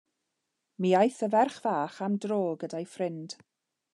Mi aeth y ferch fach am dro gyda'i ffrind.